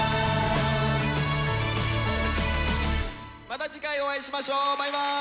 また次回お会いしましょう。バイバーイ！